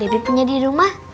debbie punya di rumah